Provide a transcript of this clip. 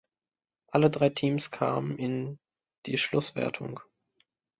Alle drei Teams kamen in die Schlusswertung.